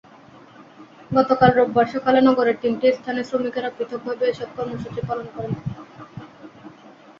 গতকাল রোববার সকালে নগরের তিনটি স্থানে শ্রমিকেরা পৃথকভাবে এসব কর্মসূচি পালন করেন।